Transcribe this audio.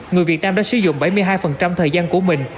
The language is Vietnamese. người việt nam đã sử dụng bảy mươi hai thời gian của mình